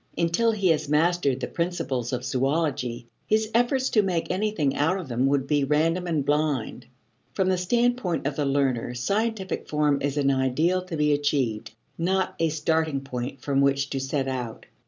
Until he had mastered the principles of zoology, his efforts to make anything out of them would be random and blind. From the standpoint of the learner scientific form is an ideal to be achieved, not a starting point from which to set out.